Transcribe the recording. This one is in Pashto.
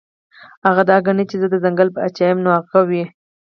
هغه دا ګڼي چې زۀ د ځنګل باچا يمه نو هغه وي -